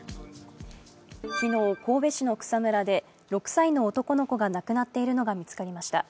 昨日、神戸市の草むらで６歳の男の子が亡くなっているのが見つかりました。